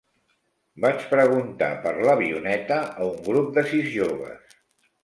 Vaig preguntar per l'avioneta a un grup de sis joves.